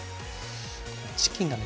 チキンがね